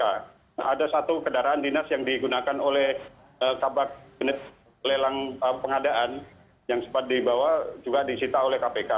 ada satu kendaraan dinas yang digunakan oleh kabak unit lelang pengadaan yang sempat dibawa juga disita oleh kpk